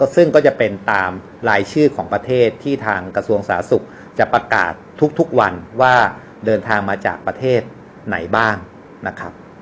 ซึ่งก็จะเป็นตามรายชื่อของประเทศที่ทางกระทรวงสาธารณสุขจะประกาศทุกวันว่าเดินทางมาจากประเทศไหนบ้างนะครับ